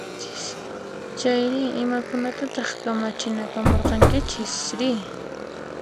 Chayri, imakunatataq kamachinakamurqankichisri?